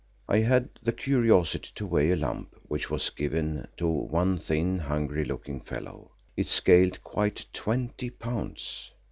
I had the curiosity to weigh a lump which was given to one thin, hungry looking fellow. It scaled quite twenty pounds.